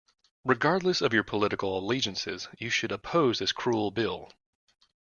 Regardless of your political allegiances, you should oppose this cruel bill.